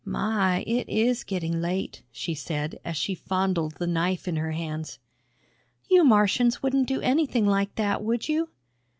"My, it is getting late," she said as she fondled the knife in her hands. "You Martians wouldn't do anything like that, would you?"